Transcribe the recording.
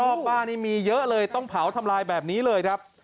รอบบ้านนี่มีเยอะเลยต้องเผาทำลายแบบนี้เลยครับ